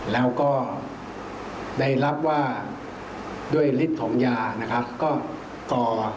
แล้วก็ได้รับว่าด้วยฤทธิ์ของยานะครับก็ก่อ